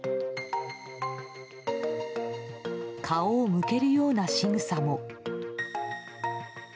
顔を向けるようなしぐさも。